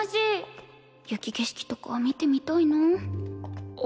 雪景色とか見てみたいなあ。